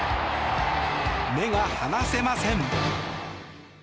目が離せません。